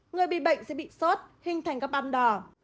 người bị bệnh sẽ bị sót hình thành các ban đỏ